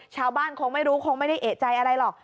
คงไม่รู้คงไม่ได้เอกใจอะไรหรอก